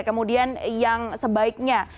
kemudian yang sebaiknya